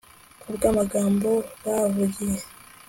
ku bw'amagambo bahavugiye